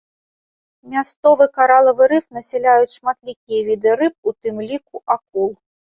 Мясцовы каралавы рыф насяляюць шматлікія віды рыб, у тым ліку акул.